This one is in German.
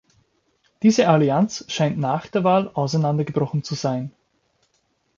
Diese Allianz scheint nach der Wahl auseinander gebrochen zu sein.